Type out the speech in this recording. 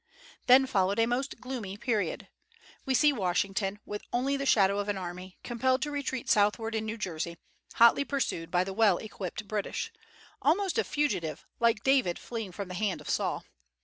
Then followed a most gloomy period. We see Washington, with only the shadow of an army, compelled to retreat southward in New Jersey, hotly pursued by the well equipped British, almost a fugitive, like David fleeing from the hand of Saul.